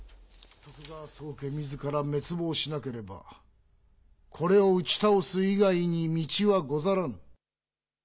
徳川宗家みずから滅亡しなければ、これを打ち倒す以外に道はござらん。